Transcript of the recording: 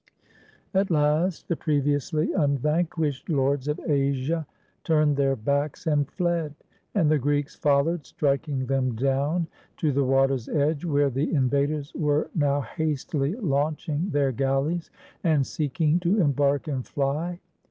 At last the previously unvanquished lords of Asia 80. THE BATTLE OF MARATHON turned their backs and fled, and the Greeks followed, striking them down, to the water's edge, where the in vaders were now hastily launching their galleys, and seeking to embark and fly.